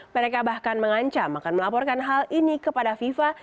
mereka bahkan mengancam akan melaporkan hal ini kepada fifa